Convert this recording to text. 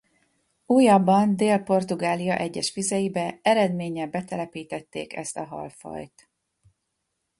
Újabban Dél-Portugália egyes vizeibe eredménnyel betelepítették ezt a halfajt.